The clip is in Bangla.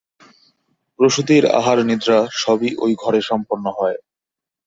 প্রসূতির আহার-নিদ্রা সবই ওই ঘরে সম্পন্ন হয়।